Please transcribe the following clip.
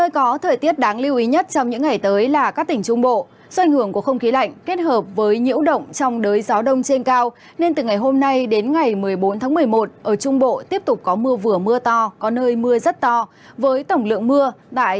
cảm ơn các bạn đã theo dõi